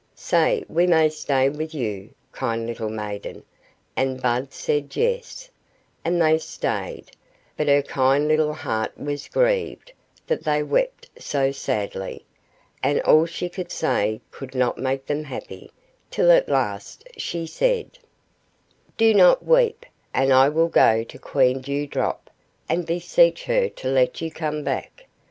Say we may stay with you, kind little maiden." And Bud said, "Yes," and they stayed; but her kind little heart was grieved that they wept so sadly, and all she could say could not make them happy; till at last she said,— "Do not weep, and I will go to Queen Dew Drop, and beseech her to let you come back.